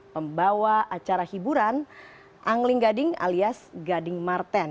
pembawa acara hiburan angling gading alias gading marten